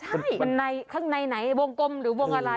เราข้างในไหนฟังวงกลมหรือวงอะไร